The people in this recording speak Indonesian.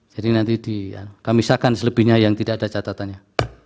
jadi nanti kami sakan selebihnya yang tidak ada catatannya